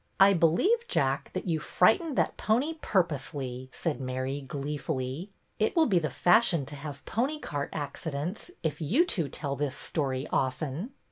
I believe. Jack, that you frightened that pony purposely," said Mary, gleefully. '' It will be the fashion to have pony cart accidents, if you two tell this story often."